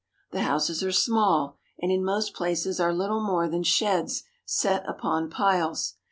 The houses are small, and in most places are little more than sheds set upon piles.